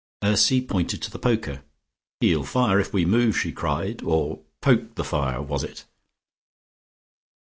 Ursy pointed to the poker. "He'll fire if we move," she cried. "Or poke the fire, was it?"